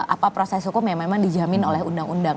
apa proses hukum yang memang dijamin oleh undang undang